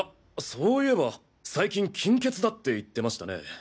そういえば最近金欠だって言ってましたね。